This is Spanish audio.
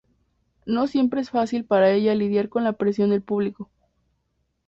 No siempre es fácil para ella lidiar con la presión del público.